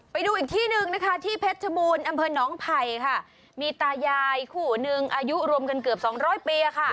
พอกันแหละค่ะ